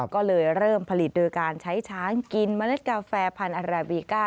ก็เลยเริ่มผลิตโดยการใช้ช้างกินเมล็ดกาแฟพันธุ์อาราบีก้า